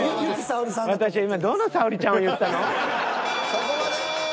そこまで。